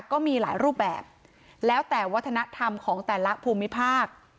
ก็มีหลายรูปแบบแล้วแต่วัฒนธรรมของแต่ละภูมิภาค